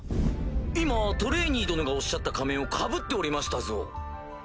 今トレイニー殿がおっしゃった仮面をかぶっておりましたぞ。